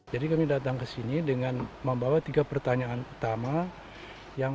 jadi kami datang ke sini dengan membawa tiga pertanyaan